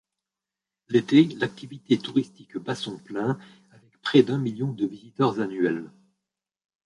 L'été, l'activité touristique bat son plein avec près d'un million de visiteurs annuels.